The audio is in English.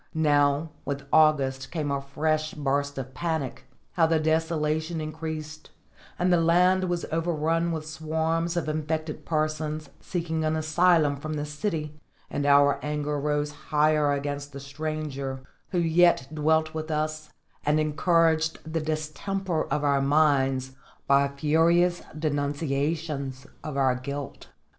Now with August came a fresh burst of panic, how the desolation increased and the land was overrun with swarms of infected persons seeking an asylum from the city; and our anger rose high against the stranger, who yet dwelt with us and encouraged the distemper of our minds by furious denunciations of our guilt.